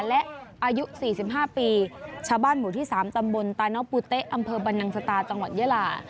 และอายุ๔๕ปีชาวบ้านหมู่ที่๓ตำบลตาน้องปูเต๊ะอำเภอบรรนังสตาจังหวัดยาลา